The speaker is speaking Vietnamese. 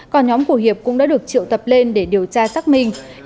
còn nhóm của hiệp cũng đã được triệu tập lên để điều tra xác minh